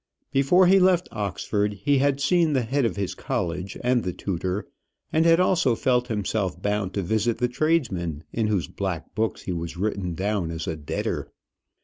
Before he left Oxford he had seen the head of his college and the tutor; and had also felt himself bound to visit the tradesmen in whose black books he was written down as a debtor.